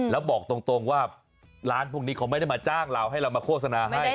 แล้วบอกตรงว่าร้านพวกนี้เขาไม่ได้มาจ้างเราให้เรามาโฆษณาให้